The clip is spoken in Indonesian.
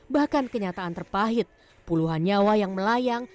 bahkan kenyataan terpahit puluhan nyawa yang melayang